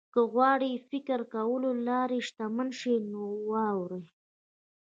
که غواړئ د فکر کولو له لارې شتمن شئ نو واورئ.